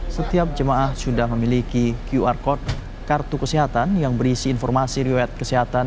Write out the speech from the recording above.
setiap jemaah sudah memiliki qr code kartu kesehatan yang berisi informasi riwayat kesehatan